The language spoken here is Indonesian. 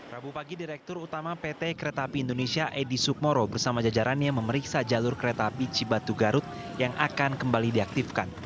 rabu pagi direktur utama pt kereta api indonesia edi sukmoro bersama jajarannya memeriksa jalur kereta api cibatu garut yang akan kembali diaktifkan